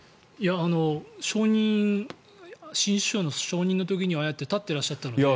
承認新首相の承認の時にはああやって立っていらっしゃったので。